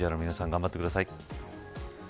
ＪＲの皆さん頑張ってください。